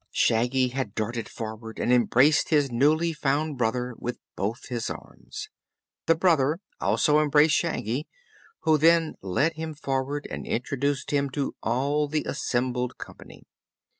Shaggy had darted forward, and embraced his newly found brother with both his arms. The brother also embraced Shaggy, who then led him forward and introduced him to all the assembled company.